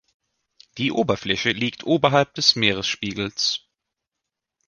Die Oberfläche liegt oberhalb des Meeresspiegels.